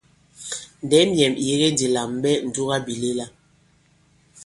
Ndɛ̌m yɛ̀ŋ ì yege ndī lā mɛ̀ ɓɛ ǹdugabìlɛla.